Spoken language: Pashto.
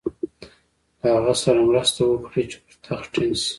له هغه سره مرسته وکړي چې پر تخت ټینګ شي.